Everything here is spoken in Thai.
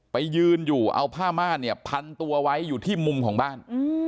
ไปยืนอยู่เอาผ้าม่านเนี่ยพันตัวไว้อยู่ที่มุมของบ้าน